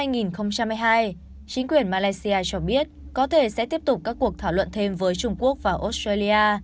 năm hai nghìn hai mươi hai chính quyền malaysia cho biết có thể sẽ tiếp tục các cuộc thảo luận thêm với trung quốc và australia